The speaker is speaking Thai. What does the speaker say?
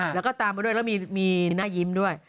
แล้วก็ตามมาด้วยแล้วมีหน้ายิ้มด้วย